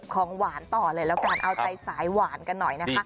ของหวานต่อเลยแล้วกันเอาใจสายหวานกันหน่อยนะคะ